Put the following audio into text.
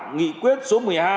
nghị quyết số một mươi hai